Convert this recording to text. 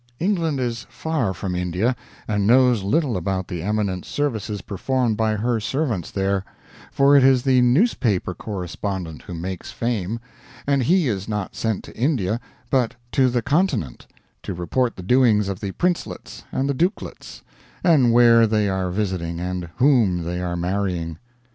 England is far from India and knows little about the eminent services performed by her servants there, for it is the newspaper correspondent who makes fame, and he is not sent to India but to the continent, to report the doings of the princelets and the dukelets, and where they are visiting and whom they are marrying.